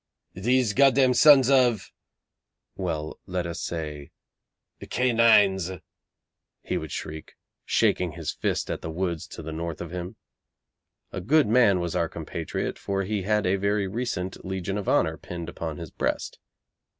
'These Godam sons of' well, let us say 'Canines!' he would shriek, shaking his fist at the woods to the north of him. A good man was our compatriot, for he had a very recent Legion of Honour pinned upon his breast.